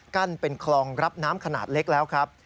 เป็นคลองรับน้ำขนาดเล็กแล้วครับ